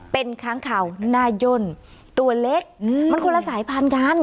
เป็นค้างข่าวหน้าย่นตัวเล็กมันคนละสายพันธุ์กัน